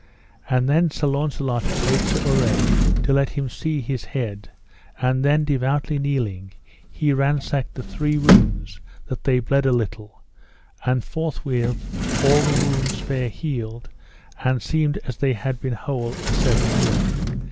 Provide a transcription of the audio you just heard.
And then Sir Launcelot prayed Sir Urre to let him see his head; and then devoutly kneeling he ransacked the three wounds, that they bled a little, and forthwith all the wounds fair healed, and seemed as they had been whole a seven year.